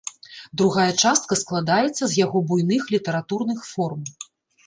Другая частка складаецца з яго буйных літаратурных форм.